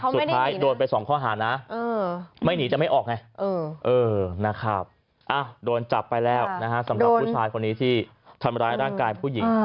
สุดท้ายโดนไป๒ข้อหานะไม่หนีจะไม่ออกไงนะครับโดนจับไปแล้วนะฮะสำหรับผู้ชายคนนี้ที่ทำร้ายร่างกายผู้หญิง